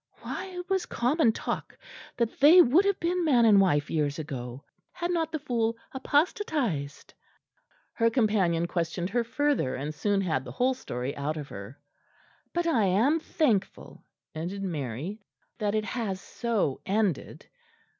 "Why, it was common talk that they would have been man and wife years ago, had not the fool apostatised." Her companion questioned her further, and soon had the whole story out of her. "But I am thankful," ended Mary, "that it has so ended."